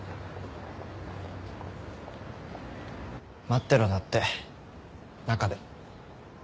待ってろだって中で。